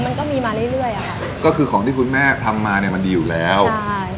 มันก็มีมาเรื่อยเรื่อยอ่ะค่ะก็คือของที่คุณแม่ทำมาเนี้ยมันดีอยู่แล้วใช่